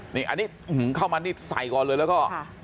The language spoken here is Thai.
นี่อันนี้เข้ามานี่ใส่ก่อนเลยแล้วก็